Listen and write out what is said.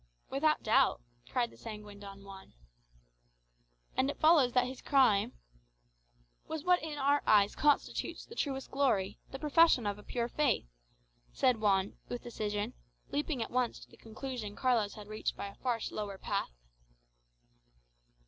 "Without doubt," cried the sanguine Don Juan. "And it follows that his crime " "Was what in our eyes constitutes the truest glory, the profession of a pure faith," said Juan with decision, leaping at once to the conclusion Carlos had reached by a far slower path.